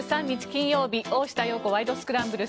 金曜日「大下容子ワイド！スクランブル」。